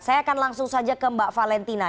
saya akan langsung saja ke mbak valentina